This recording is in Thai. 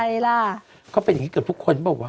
ก็เป็นเกิดแบบนี้กับพูดก่อนปะวะ